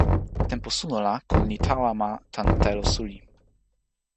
tenpo suno la kon li tawa ma tan telo suli.